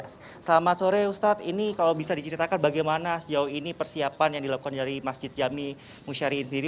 selamat sore ustadz ini kalau bisa diceritakan bagaimana sejauh ini persiapan yang dilakukan dari masjid jami musyariin sendiri